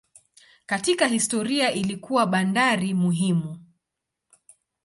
Katika historia ilikuwa bandari muhimu.